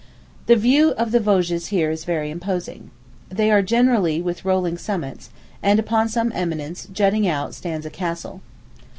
The view of the Vosges here is very imposing. They are generally with rolling summits; and upon some eminence, jutting out, stands a castle.